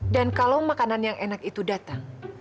dan kalau makanan yang enak itu datang